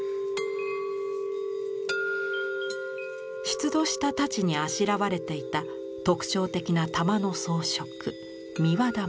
出土した大刀にあしらわれていた特徴的な玉の装飾三輪玉。